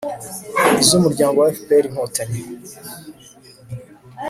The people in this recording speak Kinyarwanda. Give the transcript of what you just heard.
iz'umuryango fpr-inkotanyi